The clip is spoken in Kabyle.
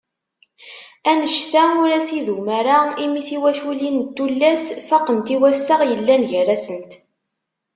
Anect-a, ur as-idum ara imi tiwaculin n tullas, faqent i wassaɣ i yellan gar-asent.